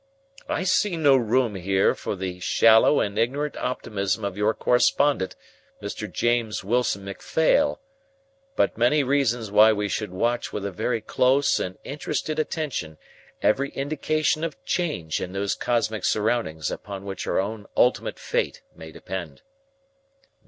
I see no room here for the shallow and ignorant optimism of your correspondent, Mr. James Wilson MacPhail, but many reasons why we should watch with a very close and interested attention every indication of change in those cosmic surroundings upon which our own ultimate fate may depend."